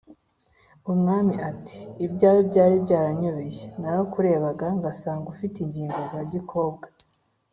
Umwami ati «ibyawe byari byaranyobeye; narakurebaga ngasanga ufite ingingo za gikobwa